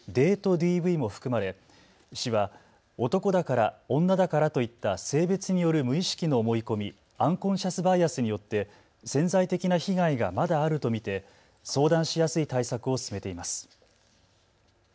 ＤＶも含まれ市は男だから、女だからといった性別による無意識の思い込み・アンコンシャスバイアスによって潜在的な被害がまだあると見て相談しやすい対策を進めています。